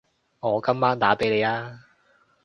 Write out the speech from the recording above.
我今晚打畀你吖